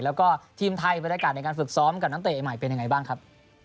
แล้วก็ทีมไทยบรรยากาศในการฝึกซ้อมกับนักเตะใหม่เป็นยังไงบ้างครับ